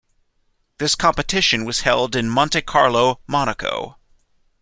This competition was held in Monte Carlo, Monaco.